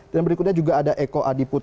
dan berikutnya juga ada eko adiput